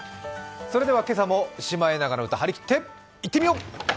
それでは今朝も「シマエナガの歌」張り切っていってみよう！